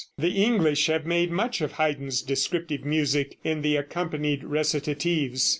The English have made much of Haydn's descriptive music in the accompanied recitatives.